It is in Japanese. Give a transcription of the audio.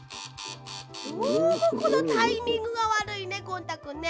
どうもこのタイミングがわるいねゴン太くんね。